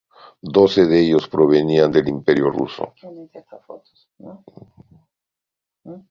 Doce de ellos provenían del Imperio ruso.